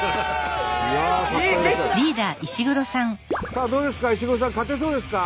さあどうですか？